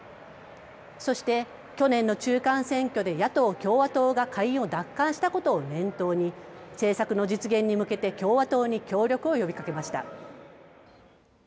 そして去年の中間選挙で野党・共和党が下院を奪還したことを念頭に政策の実現に向けて共和党に協力を呼びかけました。